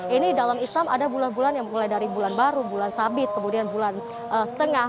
ini dalam islam ada bulan bulan yang mulai dari bulan baru bulan sabit kemudian bulan setengah